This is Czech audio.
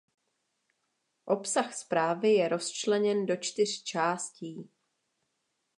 Obsah zprávy je rozčleněn do čtyř částí.